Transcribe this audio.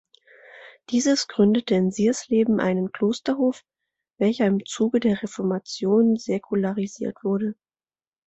Dieses gründete in Siersleben einen Klosterhof, welcher im Zuge der Reformation säkularisiert wurde.